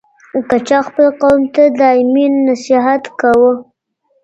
که چا خپل قوم ته دايمي نصيحت کاوه